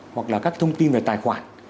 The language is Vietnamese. hoặc là các thông tin về tài khoản